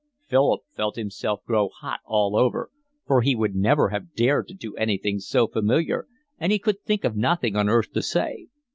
Philip felt himself grow hot all over, for he would never have dared to do anything so familiar, and he could think of nothing on earth to say.